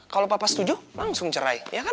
kalo papa setuju langsung cerai iya kan